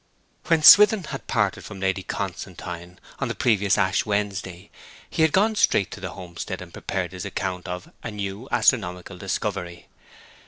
When Swithin had parted from Lady Constantine, on the previous Ash Wednesday, he had gone straight to the homestead and prepared his account of 'A New Astronomical Discovery.'